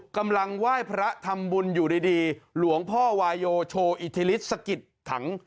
กำลังไหว้พระทำบุญอยู่ดีหลวงพ่อวายโยโชว์อิทธิฤทธิสะกิดถัง